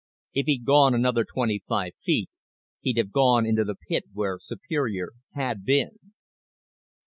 If he'd gone another twenty five feet he'd have gone into the pit where Superior had been.